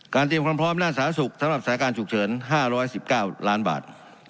เตรียมความพร้อมด้านสาธารณสุขสำหรับสถานการณ์ฉุกเฉิน๕๑๙ล้านบาท